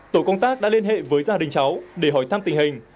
tổ công tác đã liên hệ với gia đình cháu để hỏi thăm tình hình